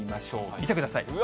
見てください。